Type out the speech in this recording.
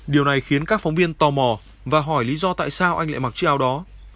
điều này khiến các phóng viên tò mò và hỏi lý do tại sao anh lại mặc treo đó